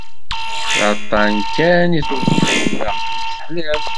D aṭṭan kan i tuḍneḍ, tura aql-ik teḥliḍ.